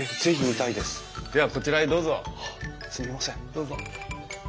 どうぞ。